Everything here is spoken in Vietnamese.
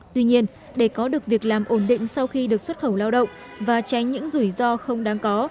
tuy nhiên để có được việc làm ổn định sau khi được xuất khẩu lao động và tránh những rủi ro không đáng có